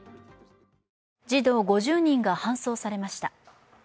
児童５０人が搬送されました。